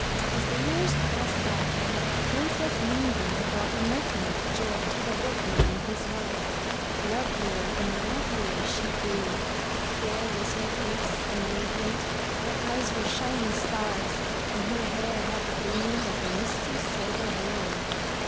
As the years passed by. Princess Moonbeam brought nothing but joy to the woodman and his wife. Lovelier and lovelier she grew. Fair was her face and radiant, her eyes were shining stars, and her hair had the gleam of a misty silver halo.